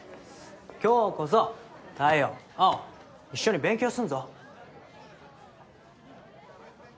今日こそ太陽青一緒に勉強すんぞ。